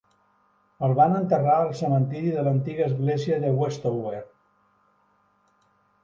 El van enterrar al cementiri de l'antiga església de Westover.